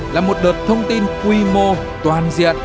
là một đợt thông tin quy mô toàn diện